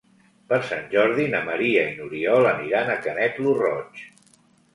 Per Sant Jordi na Maria i n'Oriol aniran a Canet lo Roig.